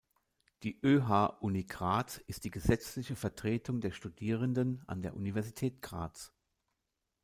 Die ÖH Uni Graz ist die gesetzliche Vertretung der Studierenden an der Universität Graz.